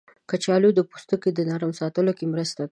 کچالو د پوستکي د نرم ساتلو کې مرسته کوي.